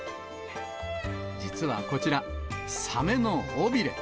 実はこちら、サメの尾びれ。